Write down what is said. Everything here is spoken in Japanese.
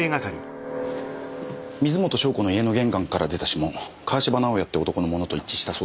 水元湘子の家の玄関から出た指紋川芝直哉って男のものと一致したそうです。